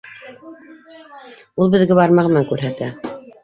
— Ул беҙгә бармағы менән күрһәтә.